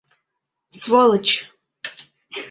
Сволочь!